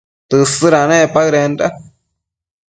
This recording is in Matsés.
Tësëdanec paëdenda